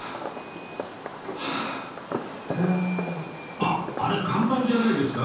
あっあれ看板じゃないですか？